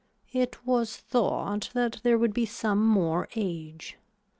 It was thought that there would be some more age.